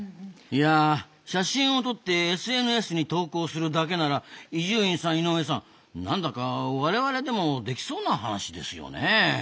いや写真を撮ってＳＮＳに投稿するだけなら伊集院さん井上さん何だか我々でもできそうな話ですよねえ。